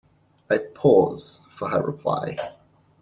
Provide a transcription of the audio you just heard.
I pause for her reply.